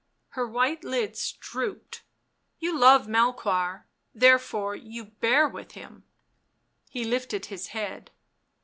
Her white lids drooped. " You love Melchoir — therefore you bear with him." He lifted his head.